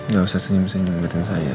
gak usah senyum senyum buatin saya